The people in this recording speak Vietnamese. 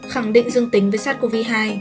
khẳng định dương tính với sars cov hai